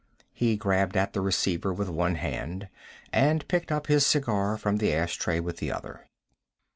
He grabbed at the receiver with one hand, and picked up his cigar from the ashtray with the other.